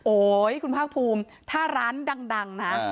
คุณภาคภูมิถ้าร้านดังนะ